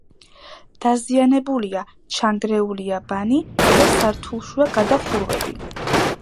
დაზიანებულია, ჩანგრეულია ბანი და სართულშუა გადახურვები.